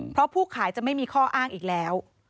เพราะผู้ขายจะไม่มีข้ออ้างอีกแล้ว